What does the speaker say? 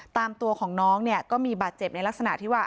ตามตัวของน้องเนี่ยก็มีบาดเจ็บในลักษณะที่ว่า